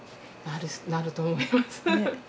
なると思います。